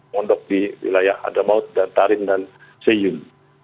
ngondok di wilayah dramaut dan tarim dan seyun